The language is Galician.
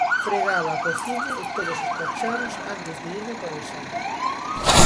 Fregaba a cociña e todos os cacharros antes de irme para o exame.